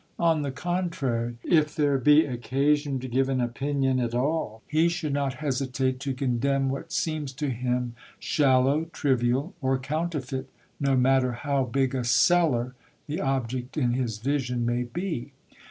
On the contrary, if there be occasion to give an opinion at all, he should not hesitate to condemn what seems to him shallow, trivial, or counterfeit, no matter how big a "seller" the object in his vision may be.